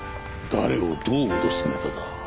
誰をどう脅すネタだ？